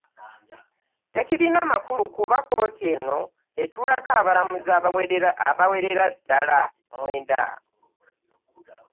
Tekirina makulu kuba kkooti eno etuulako abalamuzi abawerera ddala mwenda